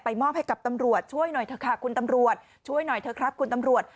มอบให้กับตำรวจช่วยหน่อยเถอะค่ะคุณตำรวจช่วยหน่อยเถอะครับคุณตำรวจ